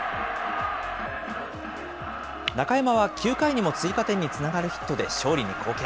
中山は９回にも追加点につながるヒットで勝利に貢献。